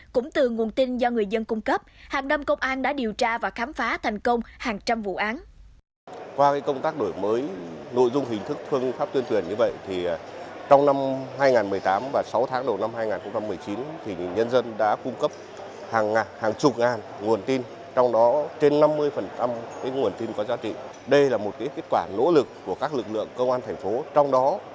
cũng từ nguồn tin do người dân cung cấp hàng năm công an đã điều tra và khám phá thành công hàng trăm vụ án